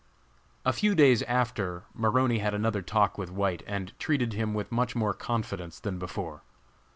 A few days after, Maroney had another talk with White and treated him with much more confidence than before.